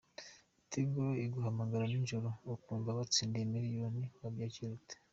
Tigo Iguhamagara n’ijoro, ukumva watsindiye miliyoni wabyakiriye ute?.